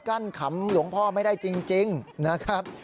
ั้นขำหลวงพ่อไม่ได้จริงนะครับ